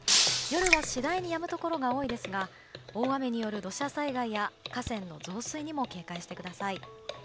夜は次第にやむところが多いですが大雨による土砂災害や、河川の増水にも警戒してください。